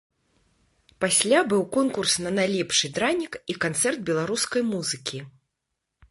Пасля быў конкурс на найлепшы дранік і канцэрт беларускай музыкі.